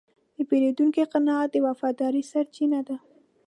د پیرودونکي قناعت د وفادارۍ سرچینه ده.